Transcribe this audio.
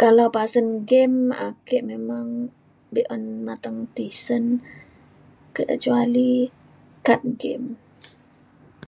Kalau pasen game ake memang be’un mateng tisen kecuali card game.